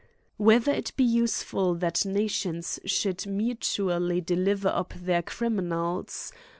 Whether it be useful that nations should mu 136 AN ESSAY ON tually deliver up their criminals